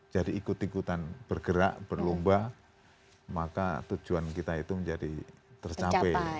jadi ikut ikutan bergerak berlomba maka tujuan kita itu menjadi tercapai